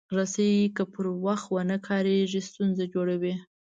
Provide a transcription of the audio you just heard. رسۍ که پر وخت ونه کارېږي، ستونزه جوړوي.